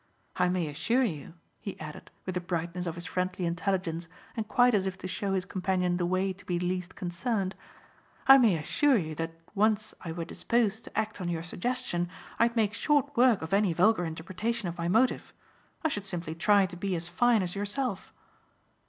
I may assure you," he added with the brightness of his friendly intelligence and quite as if to show his companion the way to be least concerned "I may assure you that once I were disposed to act on your suggestion I'd make short work of any vulgar interpretation of my motive. I should simply try to be as fine as yourself."